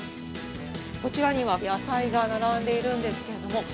こちらには野菜が並んでいるんですけれども。